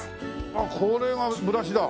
これがブラシだ。